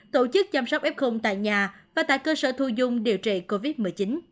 tổ chức chăm sóc f tại nhà và tại cơ sở thu dung điều trị covid một mươi chín